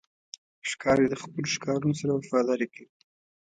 ښکاري د خپلو ښکارونو سره وفاداري کوي.